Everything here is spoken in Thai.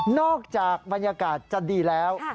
นอกจากบรรยากาศจะดีแล้ว